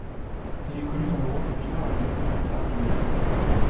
Il est connu dans le rôle du vilain alien dans Dark Angel.